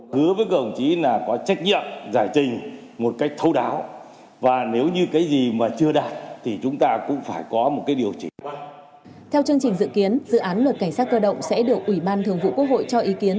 theo chương trình dự kiến dự án luật cảnh sát cơ động sẽ được ủy ban thường vụ quốc hội cho ý kiến